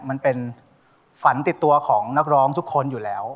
มันเป็นฝันติดตัวของนักร้องทุกคนอยู่แล้ว